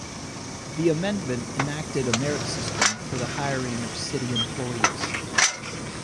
The amendment enacted a merit system for the hiring of city employees.